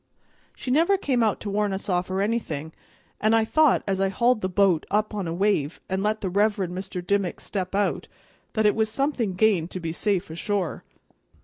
She never came out to warn us off nor anything, and I thought, as I hauled the bo't up on a wave and let the Reverend Mr. Dimmick step out, that it was somethin' gained to be safe ashore.